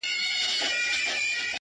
پر دې متل باندي څه شك پيدا سو ـ